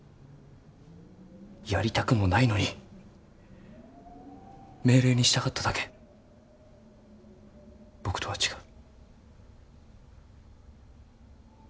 やりたくもないのに命令に従っただけ僕とは違う。